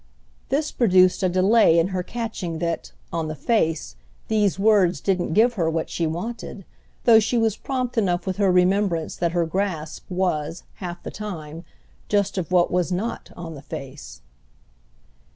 This produced a delay in her catching that, on the face, these words didn't give her what she wanted, though she was prompt enough with her remembrance that her grasp was, half the time, just of what was not on the face.